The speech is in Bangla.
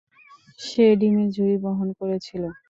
সে ডিমের ঝুড়ি বহন করেছিল।